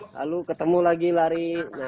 lalu ketemu lagi lari